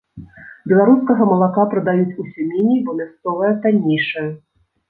Беларускага малака прадаюць усё меней, бо мясцовае таннейшае.